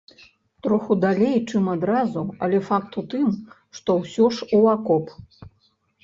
Троху далей, чым адразу, але факт у тым, што ўсё ж у акоп.